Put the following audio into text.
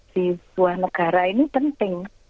di sebuah negara ini penting